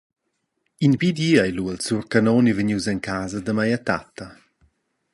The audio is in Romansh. In bi di ei lu il sur canoni vegnius en casa da mia tatta.